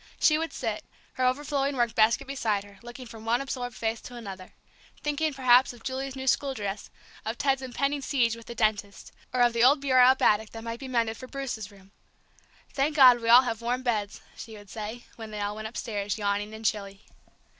She would sit, her overflowing work basket beside her, looking from one absorbed face to another, thinking perhaps of Julie's new school dress, of Ted's impending siege with the dentist, or of the old bureau up attic that might be mended for Bruce's room. "Thank God we have all warm beds," she would say, when they all went upstairs, yawning and chilly.